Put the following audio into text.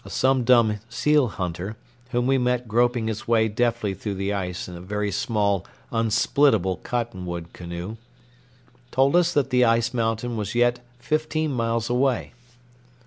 A Sum Dum seal hunter, whom we met groping his way deftly through the ice in a very small, unsplitable cottonwood canoe, told us that the ice mountain was yet fifteen miles away.